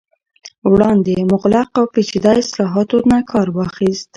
وړاندې مغلق او پیچیده اصطلاحاتو نه کار واخست